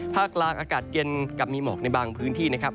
ภาคกลางอากาศเย็นกับมีหมอกในบางพื้นที่นะครับ